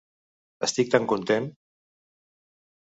Estic tan content.